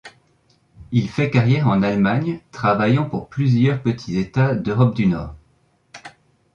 Il fait carrière en Allemagne, travaillant pour plusieurs petits états d’Europe du nord.